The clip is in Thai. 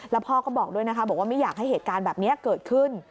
แล้วพ่อก็บอกด้วยนะคะบอกว่าไม่อยากให้เหตุการณ์แบบนี้เกิดขึ้น